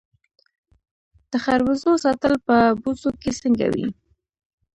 د خربوزو ساتل په بوسو کې څنګه وي؟